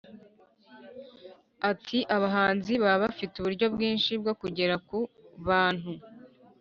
ati “abahanzi baba bafite uburyo bwinshi bwo kugera ku bantu.